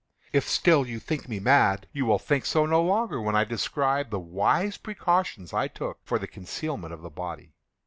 If still you think me mad, you will think so no longer when I describe the wise precautions I took for the concealment of the body.